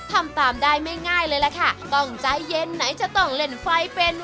ทำตามได้ไม่ง่ายเลยล่ะค่ะต้องใจเย็นไหนจะต้องเล่นไฟเป็น